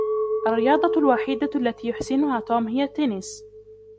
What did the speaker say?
الرياضة الوحيدة التي يحسنها توم هي التنس.